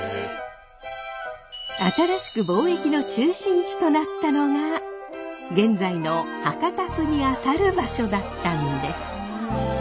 新しく貿易の中心地となったのが現在の博多区にあたる場所だったんです。